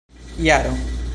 jaro